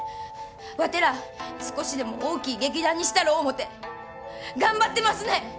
ワテら少しでも大きい劇団にしたろ思うて頑張ってますねん！